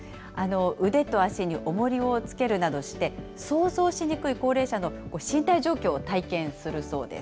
腕と足におもりをつけるなどして、想像しにくい高齢者の身体状況を体験するそうです。